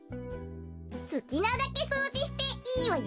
すきなだけそうじしていいわよ。